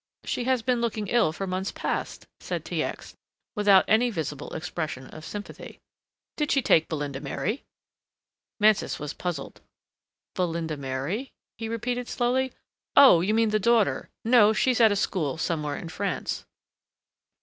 "She has been looking ill for months past," said T. X., without any visible expression of sympathy. "Did she take Belinda Mary?" Mansus was puzzled. "Belinda Mary?" he repeated slowly. "Oh, you mean the daughter. No, she's at a school somewhere in France."